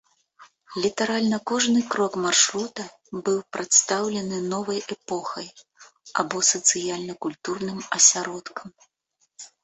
Літаральна кожны крок маршрута быў прадстаўлены новай эпохай або сацыяльна-культурным асяродкам.